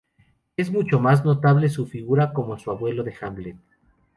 Es mucho más notable su figura como abuelo de Hamlet.